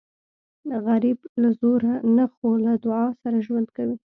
غریب له زوره نه خو له دعا سره ژوند کوي